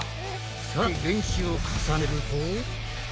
さらに練習を重ねると。